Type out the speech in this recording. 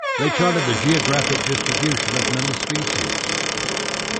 They charted the geographic distribution of many species.